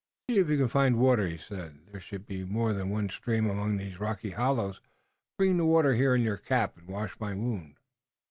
"See if you can find water," he said. "There should be more than one stream among these rocky hollows. Bring the water here in your cap and wash my wound."